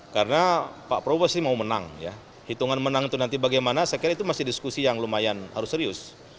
karena pak prabowo sih mau menang ya hitungan menang itu nanti bagaimana saya kira itu masih diskusi yang lumayan harus serius